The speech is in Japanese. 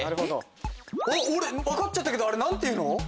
俺分かっちゃったけどあれ何ていうの？